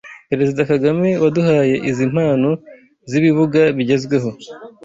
Perezida Kagame waduhaye izi mpano z’ibibuga bigezweho